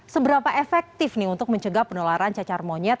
seberapa efektif nih untuk mencegah penularan cacar monyet